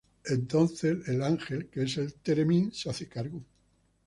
Entonces el ángel, que es el Theremin, se hace cargo.